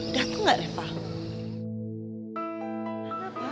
dateng gak reva